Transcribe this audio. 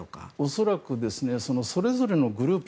恐らくそれぞれのグループ